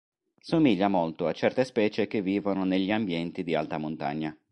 Somiglia molto a certe specie che vivono negli ambienti di alta montagna.